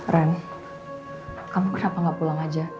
ran kamu kenapa gak pulang aja